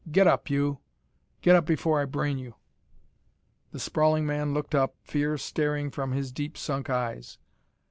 "Get up, you; get up before I brain you!" The sprawling man looked up, fear staring from his deep sunk eyes.